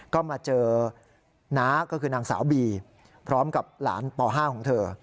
ก็มาเจอน้าก็คือนางสาวบีพร้อมกับหลานป๕ของเธอ